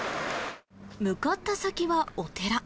向かった先はお寺。